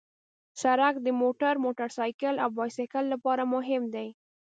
سړک د موټر، موټرسایکل او بایسکل لپاره مهم دی.